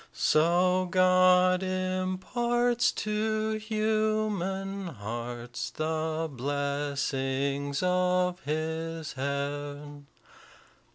So God imparts to human hearts The blessings of his heaven.